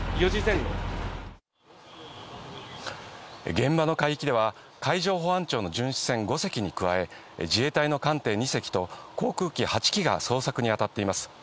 現場の海域では海上保安庁の巡視船５隻に加え、自衛隊の艦艇２隻と航空機８機が捜索にあたっています。